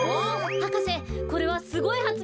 博士これはすごいはつめいですよ。